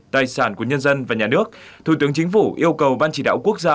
tài sản của nhân dân và nhà nước thủ tướng chính phủ yêu cầu ban chỉ đạo quốc gia